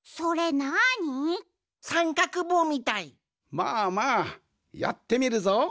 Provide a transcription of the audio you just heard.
まあまあやってみるぞ。